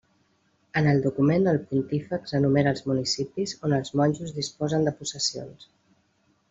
En el document el pontífex enumera els municipis on els monjos disposen de possessions.